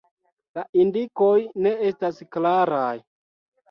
La indikoj ne estas klaraj.